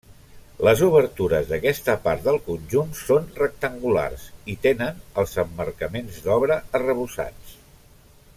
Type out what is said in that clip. Les obertures d'aquesta part del conjunt són rectangulars i tenen els emmarcaments d'obra arrebossats.